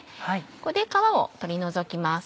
ここで皮を取り除きます。